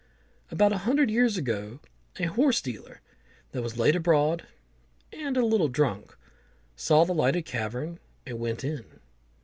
About a hundred years ago, a horse dealer that was late abroad and a little drunk, saw the lighted cavern, and went in.